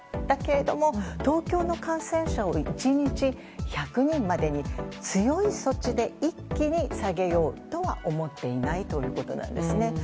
だけれども、東京の感染者を１日１００人にまで強い措置で一気に下げようとは思っていないということです。